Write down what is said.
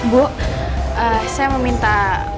bu saya meminta